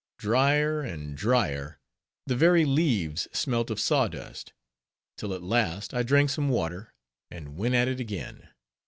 Dryer and dryer; the very leaves smelt of saw dust; till at last I drank some water, and went at it again.